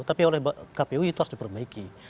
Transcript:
tapi oleh kpu itu harus diperbaiki